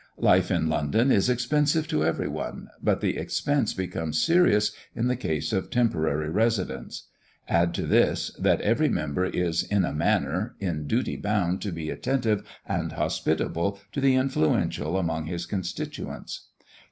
Life in London is expensive to every one, but the expense becomes serious in the case of temporary residents. Add to this, that every member is, in a manner, in duty bound to be attentive and hospitable to the influential among his constituents.